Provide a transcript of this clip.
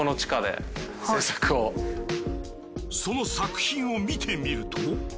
その作品を見てみると。